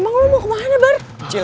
emang lu mau kemana bar